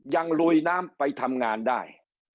ลุยน้ำไปทำงานได้